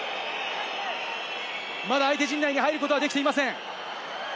まだ相手陣内に入ることはできていません。